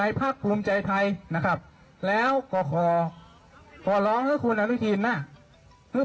ไว้พักภูมิใจไทยนะครับแล้วก็ขอตอร้องที่คุณอาหารเอียมนะหึ